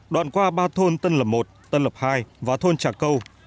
đoạn qua ba thôn tân lập i tân lập ii và thôn trà câu